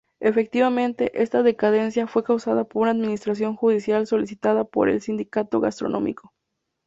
Efectivamente esta decadencia, fue causada por una administración judicial solicitada por el Sindicato Gastronómico.